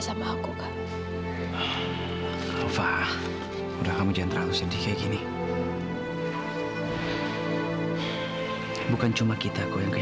sampai jumpa di video selanjutnya